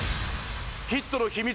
ヒットの秘密